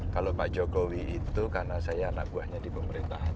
kalau pak jokowi itu karena saya anak buahnya di pemerintahan